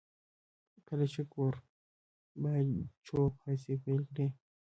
کله چې ګورباچوف هڅې پیل کړې.